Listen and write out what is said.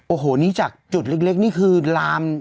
โอ้โหนี่จากจุดเล็กนี่คือลาม